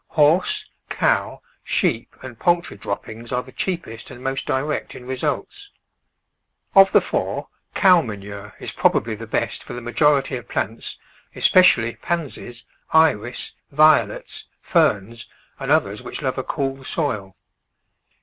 Horse, cow, sheep, and poultry droppings are the cheapest and most direct in results. Of the four, cow manure is probably the best for the majority of plants, especially Pansies, Iris, Violets, Ferns and others which love a cool soil.